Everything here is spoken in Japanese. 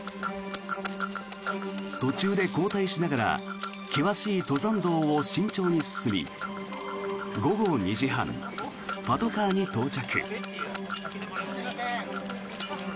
途中で交代しながら険しい登山道を慎重に進み午後２時半、パトカーに到着。